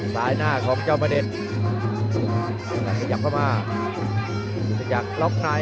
ซ้ายหน้าของเจ้ามะเดชน์พยายามขยับเข้ามาจะอยากล็อคใน